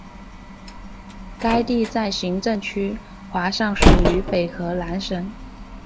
该地在行政区划上属于北荷兰省。